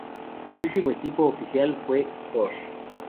Su último equipo oficial fue Ford.